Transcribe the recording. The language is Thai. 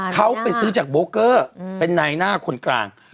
เขาไปซื้อจากโบเกอร์เป็นนายหน้าคนกลาง